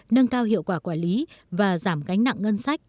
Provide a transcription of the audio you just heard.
nâng cao hiệu quả quản lý và giảm gánh nặng ngân sách